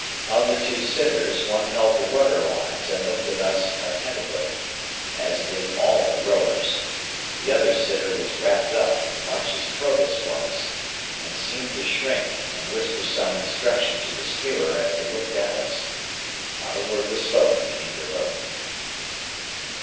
Of the two sitters one held the rudder lines, and looked at us attentively,—as did all the rowers; the other sitter was wrapped up, much as Provis was, and seemed to shrink, and whisper some instruction to the steerer as he looked at us. Not a word was spoken in either boat.